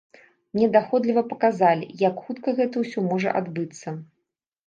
Мне даходліва паказалі, як хутка гэта ўсё можа адбыцца.